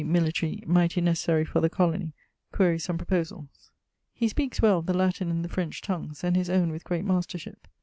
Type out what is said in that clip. military, mighty necessary quaere some proposalls. He speaks well the Latin and the French tongues, and his owne with great mastership.